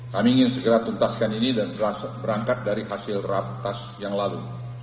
kami ingin segera tuntaskan ini dan berangkat dari hasil rapat yang lalu